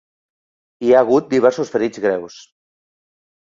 Hi ha hagut diversos ferits greus.